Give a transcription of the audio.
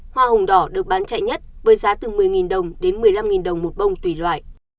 hoa hồng đỏ được bán chạy nhất với giá từ một mươi đồng đến một mươi năm đồng một bông tùy loại